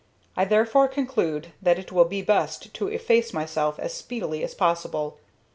I therefore conclude that it will be best to efface myself as speedily as possible.